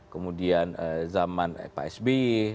kemudian zaman pak sb